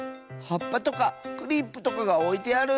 はっぱとかクリップとかがおいてある。